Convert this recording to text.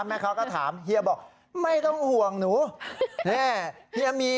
แม่ค้าก็ถามเฮียบอกไม่ต้องห่วงหนูนี่เฮียมี